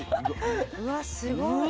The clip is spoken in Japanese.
うわっすごい。